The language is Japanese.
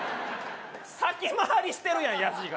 先回りしてるやん野次が！